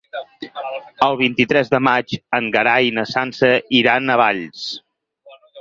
El vint-i-tres de maig en Gerai i na Sança iran a Valls.